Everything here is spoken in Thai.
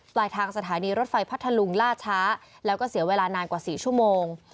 ปลายทางสถานีรถไฟพัทธลุงล่าช้าแล้วก็เสียเวลานานกว่า๔ชั่วโมง